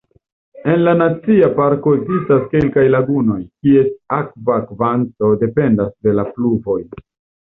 En la nacia parko ekzistas kelkaj lagunoj, kies akva kvanto dependas de la pluvoj.